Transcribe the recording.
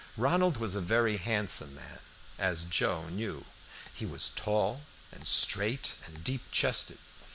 Ronald was a very handsome man, as Joe knew. He was tall and straight and deep chested.